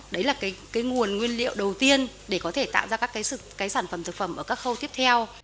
đấy là cái nguồn nguyên liệu đầu tiên để có thể tạo ra các sản phẩm thực phẩm ở các khâu tiếp theo